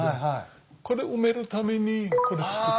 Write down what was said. これ埋めるためにこれ付けた。